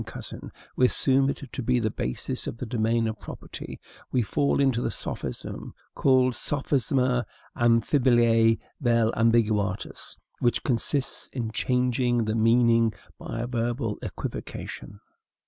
Cousin, we assume it to be the basis of the domain of property, we fall into the sophism called sophisma amphiboliae vel ambiguitatis, which consists in changing the meaning by a verbal equivocation.